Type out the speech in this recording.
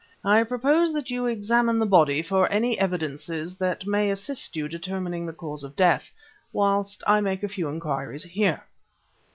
I propose that you examine the body for any evidences that may assist you determining the cause of death, whilst I make a few inquiries here."